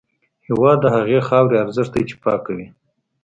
هېواد د هغې خاورې ارزښت دی چې پاکه وي.